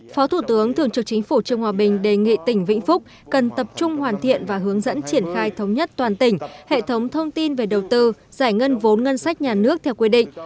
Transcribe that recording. phó thủ tướng thường trực chính phủ trương hòa bình đề nghị tỉnh vĩnh phúc cần tập trung hoàn thiện và hướng dẫn triển khai thống nhất toàn tỉnh hệ thống thông tin về đầu tư giải ngân vốn ngân sách nhà nước theo quy định